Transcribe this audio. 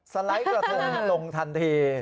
สไลด์กระทงลงทันที